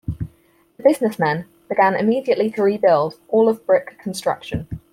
The businessmen began immediately to rebuild, all of brick construction.